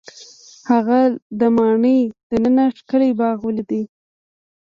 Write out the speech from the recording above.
هغه د ماڼۍ دننه ښکلی باغ ولید.